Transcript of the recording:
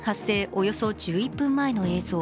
およそ１１分前の映像。